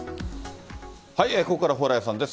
ここから蓬莱さんです。